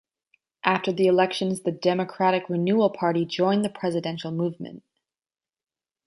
After the elections the Democratic Renewal Party joined the Presidential Movement.